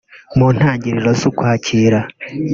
mu ntangiriro z’Ukwakira